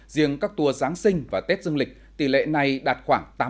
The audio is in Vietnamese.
riêng các tour giáng sinh và tết dương lịch tỷ lệ này đạt khoảng tám mươi